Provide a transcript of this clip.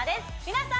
皆さん